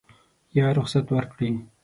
یا رخصت ورکړي.